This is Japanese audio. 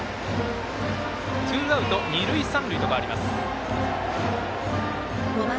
ツーアウト、二塁三塁と変わります。